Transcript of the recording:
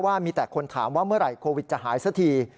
ว่ามีแต่คนถามว่าเมื่อไหร่โควิดจะหายสักที